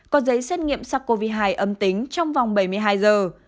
có giấy xét nghiệm sắc covid hai âm tính trong vòng bảy mươi hai giờ